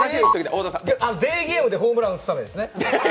デーゲームでホームランを打つためですね。